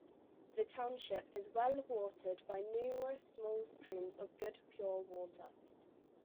The Township is well watered by numerous Small Streams of good pure water.